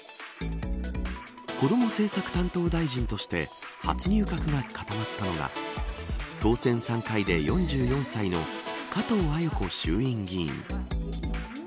こども政策担当大臣として初入閣が固まったのが当選３回で４４歳の加藤鮎子衆院議員。